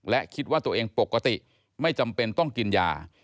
และคิดว่าตัวเองปกติไม่จำเป็นต้องกินยา